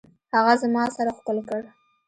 هغه زما سر ښكل كړ.